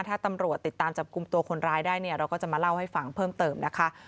ถ้าตำรวจติดตามจับกลุ่มตัวคนร้ายได้เนี่ยเราก็จะมาเล่าให้ฟังเพิ่มเติมนะคะ